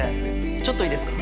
ちょっといいですか？